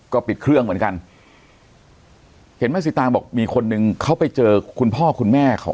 ก็ปิดเครื่องเหมือนกันเห็นแม่สิตางบอกมีคนนึงเขาไปเจอคุณพ่อคุณแม่ของ